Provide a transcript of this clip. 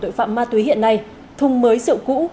tuyển phạm ma túy hiện nay thùng mới sự cũ